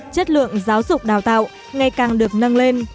chất lượng giáo dục đào tạo ngày càng được nâng lên